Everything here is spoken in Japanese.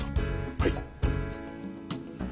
はい。